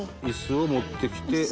イスを持ってきて。